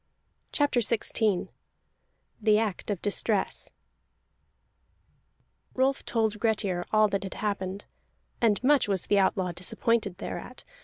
CHAPTER XVI THE ACT OF DISTRESS Rolf told Grettir all that had happened, and much was the outlaw disappointed thereat.